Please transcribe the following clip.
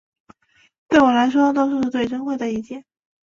对我来说都是最珍贵的意见